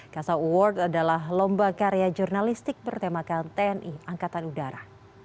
kasa award adalah lomba karya jurnalistik bertemakan tni angkatan udara